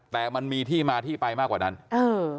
แต่มันมีที่มาที่ไปมากกว่านั้นเออ